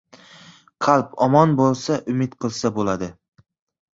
• Qalb omon bo‘lsa, umid qilsa bo‘ladi.